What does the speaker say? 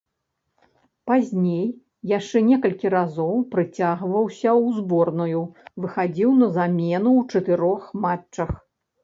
Пазней яшчэ некалькі разоў прыцягваўся ў зборную, выхадзіў на замену ў чатырох матчах.